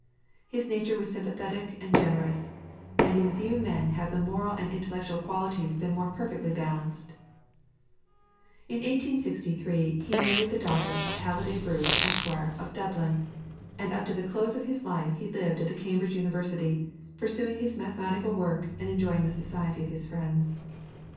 His nature was sympathetic and generous, and in few men have the moral and intellectual qualities been more perfectly balanced." In 1863 he married the daughter of Haliday Bruce, Esq., of Dublin and up to the close of his life he lived at the Cambridge Observatory, pursuing his mathematical work and enjoying the society of his friends.